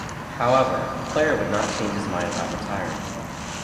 However, the player would not change his mind about retiring.